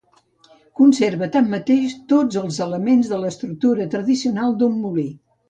Conserva, tanmateix, tots els elements de l'estructura tradicional d'un molí.